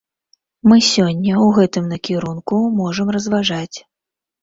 Мы сёння ў гэтым накірунку можам разважаць.